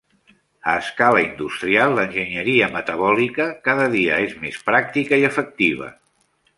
A escala industrial, l'enginyeria metabòlica cada dia es més pràctica i efectiva.